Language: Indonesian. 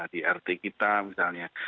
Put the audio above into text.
di rt kita misalnya